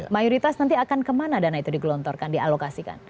mayoritas nanti akan kemana dana itu digelontorkan dialokasikan